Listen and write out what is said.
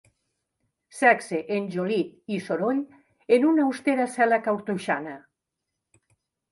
Sexe, enjòlit i soroll en una austera cel·la cartoixana.